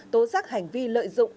tố giác hành vi lợi dụng